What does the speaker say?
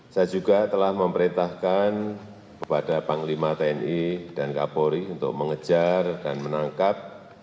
saya juga telah memerintahkan kepada panglima tni dan kapolri untuk mengejar dan menangkap